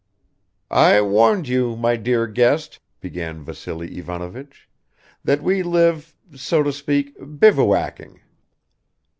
"I warned you, my dear guest," began Vassily Ivanovich, "that we live, so to speak, bivouacking